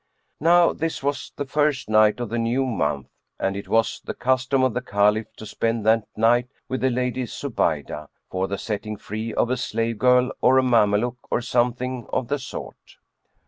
Now this was the first night of the new month, and it was the custom of the Caliph to spend that night with the Lady Zubaydah, for the setting free of a slave girl or a Mameluke or something of the sort.